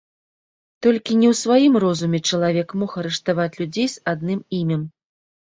Толькі не ў сваім розуме чалавек мог арыштаваць людзей з адным імем.